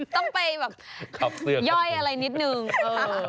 ต้องไปแบบคับเสื้อย่อยอะไรนิดหนึ่งเออ